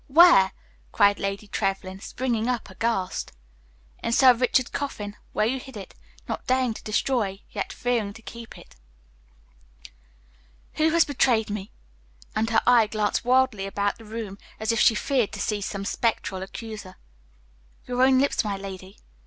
Where?" cried Lady Trevlyn, springing up aghast. "In Sir Richard's coffin, where you hid it, not daring to destroy, yet fearing to keep it." "Who has betrayed me?" And her eye glanced wildly about the room, as if she feared to see some spectral accuser. "Your own lips, my lady.